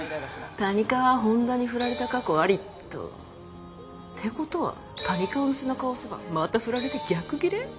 谷川本田にフラれた過去ありと。ってことは谷川の背中を押せばまたフラれて逆ギレ。